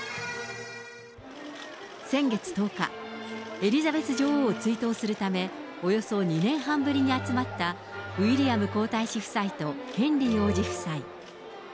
先月１０日、エリザベス女王を追悼するため、およそ２年半ぶりに集まったウィリアム皇太子夫妻とヘンリー王子夫妻。